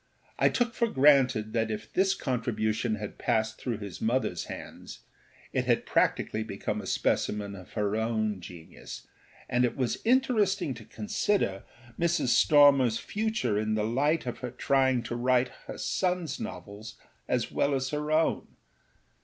I took for granted that if this contribution had passed through his motherâs hands it had practically become a specimen of her own genius, and it was interesting to consider Mrs. Stormerâs future in the light of her having to write her sonâs novels as well as her own.